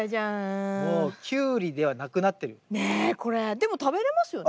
でも食べれますよね？